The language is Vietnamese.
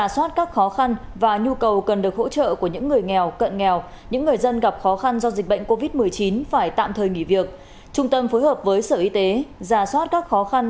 xin chào quý vị và các bạn